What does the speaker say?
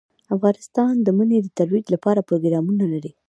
افغانستان د منی د ترویج لپاره پروګرامونه لري.